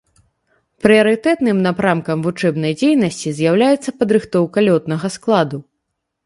Прыярытэтным напрамкам вучэбнай дзейнасці з'яўляецца падрыхтоўка лётнага складу.